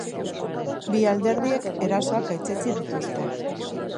Bi alderdiek erasoak gaitzetsi dituzte.